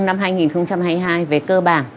năm hai nghìn hai mươi hai về cơ bản